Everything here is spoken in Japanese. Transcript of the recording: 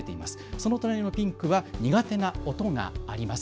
その隣のピンクには苦手な音があります。